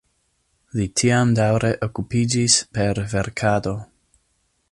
Li tiam daŭre okupiĝis per verkado.